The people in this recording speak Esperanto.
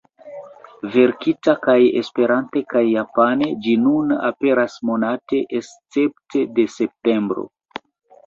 Verkita kaj Esperante kaj Japane ĝi nun aperas monate escepte de septembro.